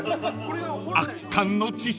［圧巻の知識です］